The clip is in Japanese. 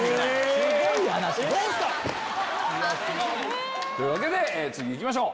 すごい話！というわけで次行きましょう。